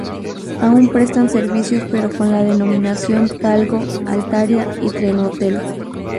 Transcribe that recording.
Aún prestan servicios pero con la denominación Talgo, Altaria y Trenhotel.